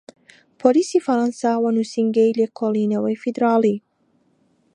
پۆلیسی فەرەنسا و نوسینگەی لێکۆڵینەوەی فیدراڵی